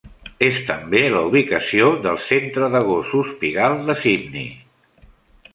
És també la ubicació del Centre de gossos pigall de Sydney.